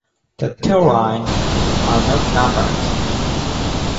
The two lines are not numbered.